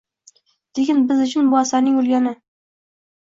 lekin biz uchun bu asarning o‘lgani.